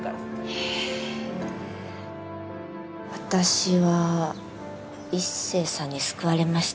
私は一星さんに救われました。